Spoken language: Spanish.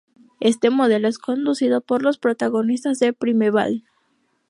Este modelo es conducido por los protagonistas de Primeval.